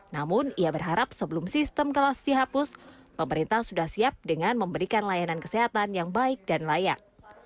namun ia berharap sebelum sistem kelas dihapus pemerintah sudah siap dengan memberikan layanan kesehatan yang baik dan layak